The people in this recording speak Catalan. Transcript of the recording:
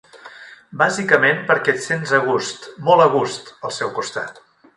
Bàsicament perquè et sents a gust, molt a gust, al seu costat.